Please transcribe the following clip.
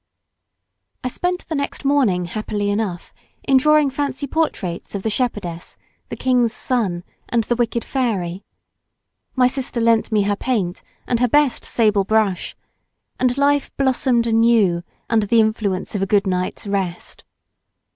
I spent the next morning happily enough in drawing fancy portraits of the shepherdess, the king's son, and the wicked fairy. My sister lent me her paint, and her best sable brush, and life blossomed anew under the influence of a good night's rest.